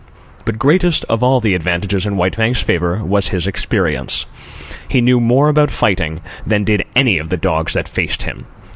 But greatest of all the advantages in White Fang's favour, was his experience. He knew more about fighting than did any of the dogs that faced him.